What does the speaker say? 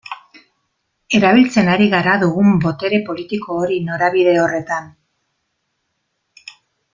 Erabiltzen ari gara dugun botere politiko hori norabide horretan?